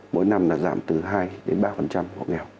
mỗi năm là giảm từ hai đến ba hộ nghèo